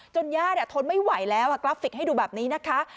ญาติทนไม่ไหวแล้วกราฟิกให้ดูแบบนี้นะคะ